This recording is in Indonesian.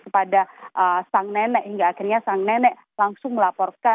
kepada sang nenek hingga akhirnya sang nenek langsung melaporkan